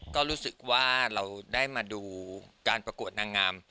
ก็รู้สึกว่าเราได้มาดูการประกวดนางงาม